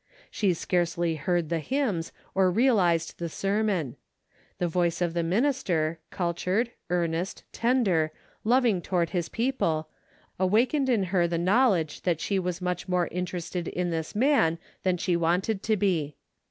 She scarcely heard the hymns or realized the sermon. The voice of the minister, cul tured, earnest, tender, loving toward his peo ple, awakened in her the knowledge that she was more interested in this man than she wanted to be.